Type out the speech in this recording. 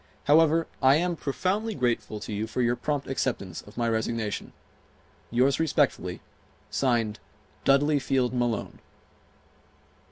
However, I am profoundly grateful to you for your prompt acceptance of my resignation. Yours respectfully, (Signed) DUDLEY FIELD MALONE.